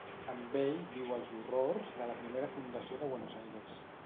Amb ell viu els horrors de la primera fundació de Buenos Aires.